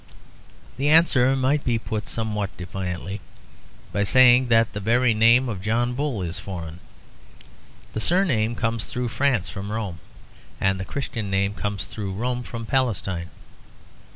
The answer might be put somewhat defiantly by saying that the very name of John Bull is foreign. The surname comes through France from Rome; and the Christian name comes through Rome from Palestine.